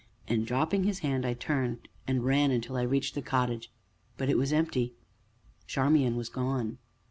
And, dropping his hand, I turned and ran until I reached the cottage; but it was empty, Charmian was gone.